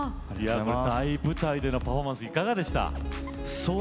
大舞台でのパフォーマンスいかがでしたか？